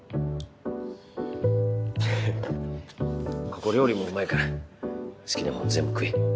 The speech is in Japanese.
ここ料理もうまいから好きなもん全部食え。